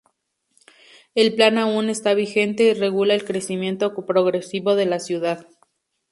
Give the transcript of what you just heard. El plan aún está vigente y regula el crecimiento progresivo de la ciudad.